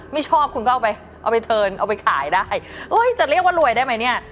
ไม่ชอบคุณก็เอาไปเอาไปเทินเอาไปขายได้เอ้ยจะเรียกว่ารวยได้ไหมเนี่ย